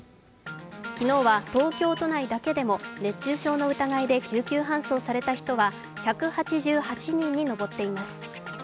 昨日は東京都内だけでも熱中症の疑いで救急搬送された人は１８８人に上っています。